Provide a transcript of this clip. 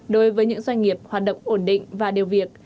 đối với những doanh nghiệp hoạt động ổn định và điều việc